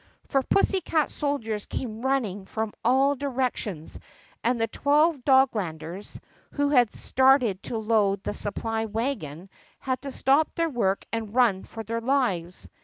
THE PUSSYCAT PRINCESS 137 For pussycat soldiers came running from all directions and the twelve Doglanders, who had started to load the supply wagon, had to stop their work and run for their lives.